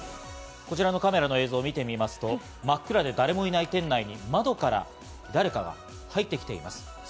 こちらのカメラの映像を見てみますと、真っ暗で誰もいない店内に窓から誰かが入ってきています。